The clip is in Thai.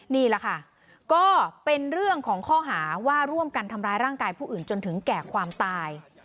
นี่แหละค่ะก็เป็นเรื่องของข้อหาว่าร่วมกันทำร้ายร่างกายผู้อื่นจนถึงแก่ความตาย